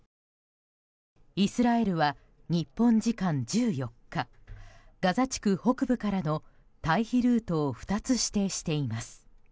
イスラエルは日本時間１４日ガザ地区北部からの退避ルートを２つ指定しています。